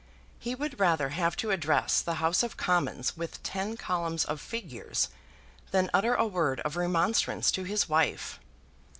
He would rather have to address the House of Commons with ten columns of figures than utter a word of remonstrance to his wife.